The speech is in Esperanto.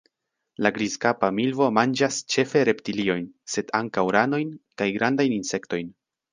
La Grizkapa milvo manĝas ĉefe reptiliojn, sed ankaŭ ranojn kaj grandajn insektojn.